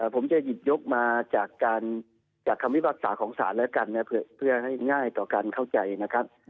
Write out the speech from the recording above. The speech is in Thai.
ผมจะหยิบยกมาจากการจากคำวิบัตรศาสตร์ของสรรละกันนะเพื่อให้ง่ายเก่าการเข้าใจนะครับ